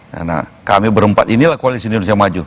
karena kami berempat inilah kualitas indonesia maju